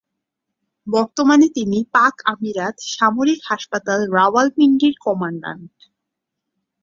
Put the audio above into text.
বর্তমানে তিনি পাক-আমিরাত সামরিক হাসপাতাল, রাওয়ালপিন্ডির কমান্ড্যান্ট।